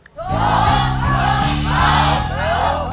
ถูกถูกถูกถูก